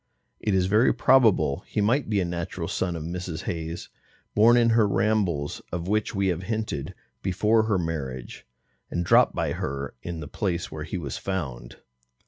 It is very probable he might be a natural son of Mrs. Hayes's, born in her rambles (of which we have hinted) before her marriage, and dropped by her in the place where he was found.